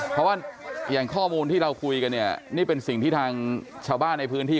เพราะว่าอย่างข้อมูลที่เราคุยกันเนี่ยนี่เป็นสิ่งที่ทางชาวบ้านในพื้นที่